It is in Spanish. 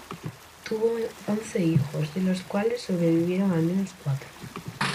Tuvo once hijos, de los cuales sobrevivieron al menos cuatro.